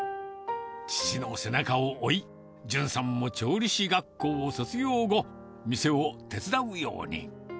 父の背中を追い、淳さんも調理師学校を卒業後、店を手伝うように。